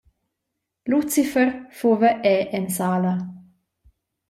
Lucifer fuva era en sala.